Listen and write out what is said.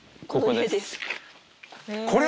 これ？